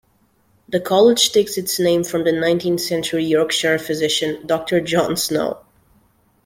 The College takes its name from the nineteenth-century Yorkshire physician Doctor John Snow.